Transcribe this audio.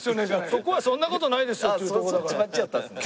そこは「そんな事ないですよ」って言うとこだから。